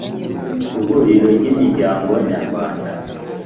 Ihuriro ry imiryango Nyarwanda